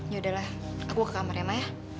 ya udahlah aku ke kamar ya ma